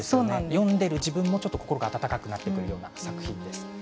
読んでいる自分も心が温かくなってくるような作品です。